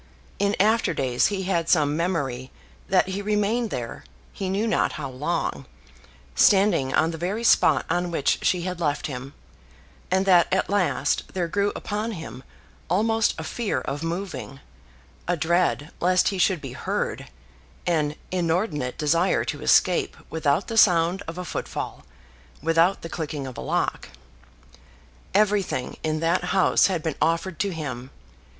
In after days he had some memory that he remained there, he knew not how long, standing on the very spot on which she had left him; and that at last there grew upon him almost a fear of moving, a dread lest he should be heard, an inordinate desire to escape without the sound of a footfall, without the clicking of a lock. Everything in that house had been offered to him.